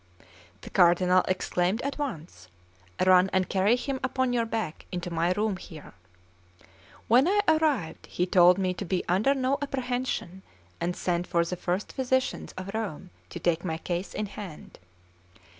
The Cardinal exclaimed at once: "Run and carry him upon your back into my room here." When I arrived, he told me to be under no apprehension, and sent for the first physicians of Rome to take my case in hand.